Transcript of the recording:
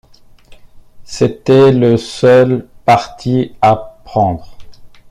C’était le seul parti à prendre.